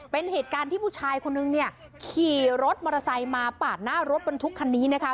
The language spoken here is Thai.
เป็นเหตุการณ์ที่ผู้ชายคนนึงเนี่ยขี่รถมอเตอร์ไซค์มาปาดหน้ารถบรรทุกคันนี้นะคะ